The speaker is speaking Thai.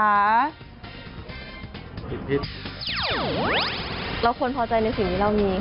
เราควรพอใจในสิ่งที่เรามีค่ะ